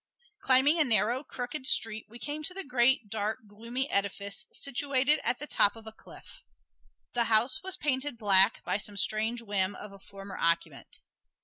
Climbing a narrow, crooked street we came to the great, dark, gloomy edifice situated at the top of a cliff. The house was painted black by some strange whim of a former occupant.